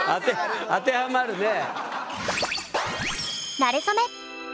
当てはまるね。